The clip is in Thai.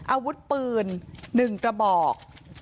อาวุธปืน๑กระบอก